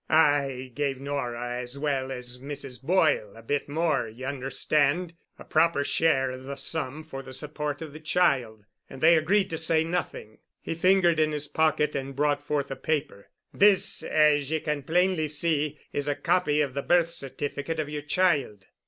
"I gave Nora as well as Mrs. Boyle a bit more, ye understand—a proper share of the sum for the support of the child. And they agreed to say nothing." He fingered in his pocket and brought forth a paper. "This, as ye can plainly see, is a copy of the birth certificate of yer child."